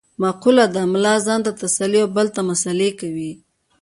مقوله ده : ملا ځان ته تسلې او بل ته مسعلې کوي.